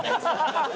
ハハハハ！